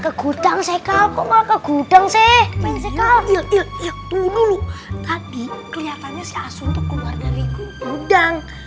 ke gudang sekalau ke gudang